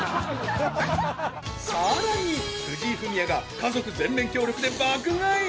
更に藤井フミヤが家族全面協力で爆買い。